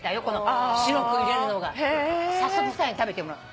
早速２人に食べてもらう。